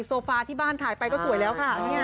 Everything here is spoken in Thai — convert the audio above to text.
โซฟาที่บ้านขายไปก็สวยแล้วค่ะ